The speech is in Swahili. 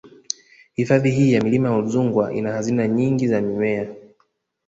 Hifadhi hii ya Milima ya Udzungwa ina hazina nyingi za mimea